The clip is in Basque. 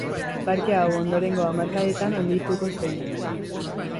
Parke hau ondorengo hamarkadetan handituko zen.